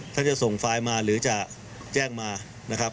ถ้าจะส่งไฟล์มาหรือจะแจ้งมา